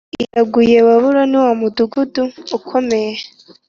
iraguye! Baburoni wa mudugudu ukomeye,